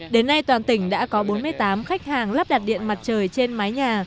đến nay toàn tỉnh đã có bốn mươi tám khách hàng lắp đặt điện mặt trời trên mái nhà